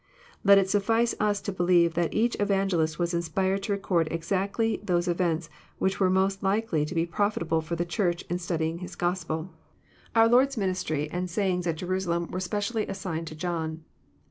Let it suffice us to believe that each Evangelist was inspired to re cord exactly those events which were most likely to be profita ble for the Church in studying his Gospel. Our lord's ministry and say Ings at Jerusalem were specially assigned to John.